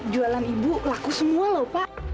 jualan ibu laku semua loh pak